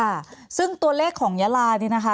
ค่ะซึ่งตัวเลขของยาลานี่นะคะ